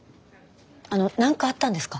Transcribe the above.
あの何かあったんですか？